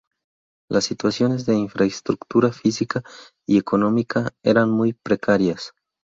Las situaciones de infraestructura física y económica eran muy precarias.